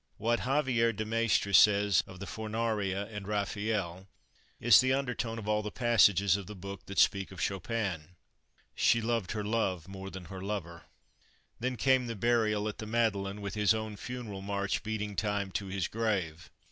What Xavier de Maistre says of the Fornarina and Raphael is the undertone of all the passages of the book that speak of Chopin "She loved her love more than her lover." Then came the burial at the Madeleine, with his own funeral march beating time to his grave.